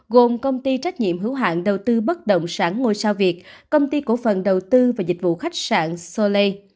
gồm công ty trách nhiệm hữu hạn đầu tư bất động sản ngôi sao việt công ty cổ phần đầu tư và dịch vụ khách sạn soleil